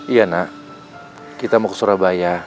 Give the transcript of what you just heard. iya nak kita mau ke surabaya